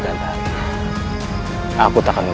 dan kamu yang benar yang adik